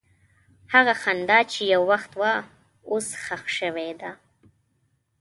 هغه خندا چې یو وخت وه، اوس ښخ شوې ده.